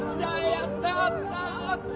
やったやった！